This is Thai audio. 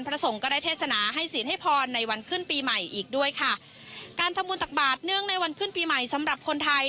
สงฆ์ก็ได้เทศนาให้ศีลให้พรในวันขึ้นปีใหม่อีกด้วยค่ะการทำบุญตักบาทเนื่องในวันขึ้นปีใหม่สำหรับคนไทย